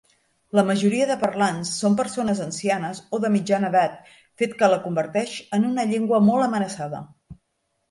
La majoria de parlants són persones ancianes o de mitjana edat, fet que la converteix en una llengua molt amenaçada.